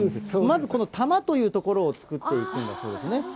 この玉という所を作っていくんだそうですね。